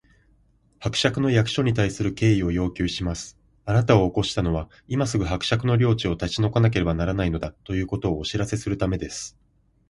「伯爵の役所に対する敬意を要求します！あなたを起こしたのは、今すぐ伯爵の領地を立ち退かなければならないのだ、ということをお知らせするためです」